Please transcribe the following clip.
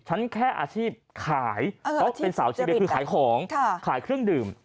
ฉันแค่อาชีพขายเพราะเป็นสาวเชียร์คือขายของขายเครื่องดื่ม